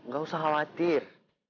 gak usah khawatir